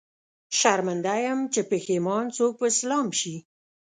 شرمنده يم، چې پښېمان څوک په اسلام شي